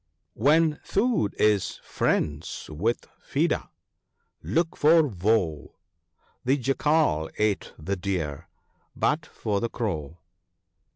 When Food is friends with Feeder, look for Woe, The Jackal ate the Deer, but for the Crow."